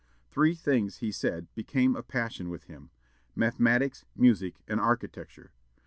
Three things, he said, became a passion with him, "Mathematics, music, and architecture."